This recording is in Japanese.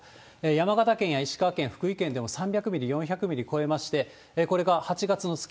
山形県や石川県、福井県でも３００ミリ、４００ミリ超えまして、これが８月の月